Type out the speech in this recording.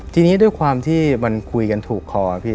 ทีนี้ด้วยความที่มันคุยกันถูกคอครับพี่